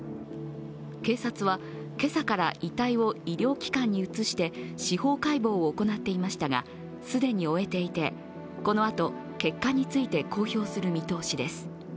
警察は、今朝から遺体を医療機関に移して司法解剖を行っていましたが、既に終えていて、このあと結果について公表する見通しです。